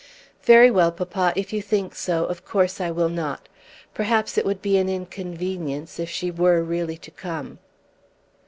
"Very well, papa. If you think so, of course I will not. Perhaps it would be an inconvenience, if she were really to come."